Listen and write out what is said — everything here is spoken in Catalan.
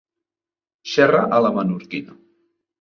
Xerra a la menorquina.